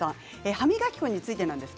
歯磨き粉についてです。